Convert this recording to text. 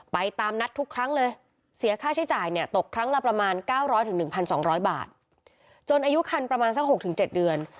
ตามนัดทุกครั้งเลยเสียค่าใช้จ่ายเนี่ยตกครั้งละประมาณ๙๐๐๑๒๐๐บาทจนอายุคันประมาณสัก๖๗เดือน